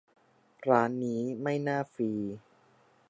ร้านนี้ไม่น่าฟรี